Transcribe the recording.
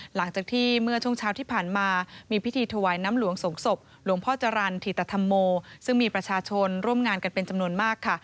หลังจากที่เมื่อช่วงเช้าที่ผ่านมามีพิธีถวายน้ำหลวงสงศพหลวงพ่อจรรย์ธิตธรรมโมซึ่งมีประชาชนร่วมงานกันเป็นจำนวนมากค่ะ